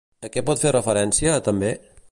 A què pot fer referència, també?